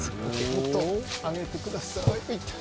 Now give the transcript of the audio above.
もっと上げてください。